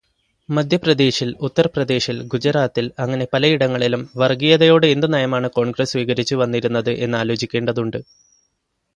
മധ്യപ്രദേശില്, ഉത്തര്പ്രദേശില്, ഗുജറാത്തില് അങ്ങനെ പലയിടങ്ങളിലും വര്ഗീയതയോട് എന്തു നയമാണ് കോണ്ഗ്രസ്സ് സ്വീകരിച്ചുവന്നിരുന്നത് എന്നാലോചിക്കേണ്ടതുണ്ട്.